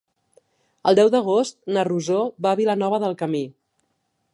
El deu d'agost na Rosó va a Vilanova del Camí.